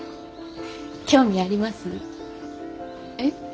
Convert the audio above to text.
興味あります？え？